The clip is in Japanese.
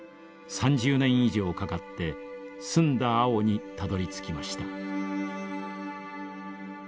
３０年以上かかって澄んだ青にたどりつきました。